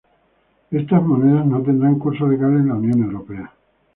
Estas monedas no tendrán curso legal en la Unión Europea.